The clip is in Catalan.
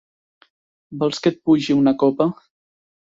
Vols que et pugi una copa?